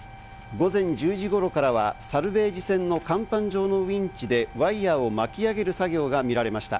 午前１０時頃からはサルベージ船の甲板上のウインチでワイヤを巻き上げる作業が見られました。